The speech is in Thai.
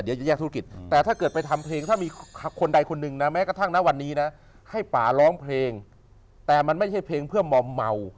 จะแยกธุรกิจแต่ถ้าเกิดไปทำเพลงถ้ามีคนใดคนหนึ่งนะแม้กระทั่งนะวันนี้นะให้ป่าร้องเพลงแต่มันไม่ใช่เพลงเพื่อมอมเมา